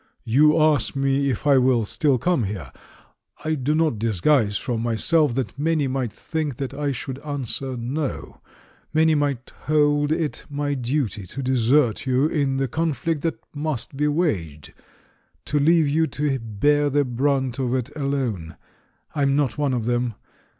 "You ask me if I will still come here. I do not disguise from myself that many might think that I should answer 'no' ; many might hold it my duty to desert you in the conflict that must be waged, to leave you to bear the brunt of it alone. I am not one of them.